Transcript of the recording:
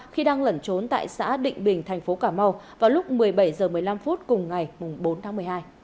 khi đang lẩn trốn tại xã định bình thành phố cà mau vào lúc một mươi bảy h một mươi năm cùng ngày bốn tháng một mươi hai